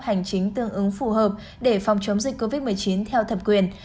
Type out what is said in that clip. hành chính tương ứng phù hợp để phòng chống dịch covid một mươi chín theo thẩm quyền